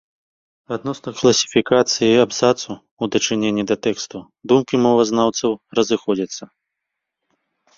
Адносна класіфікацыі абзацу ў дачыненні да тэксту думкі мовазнаўцаў разыходзяцца.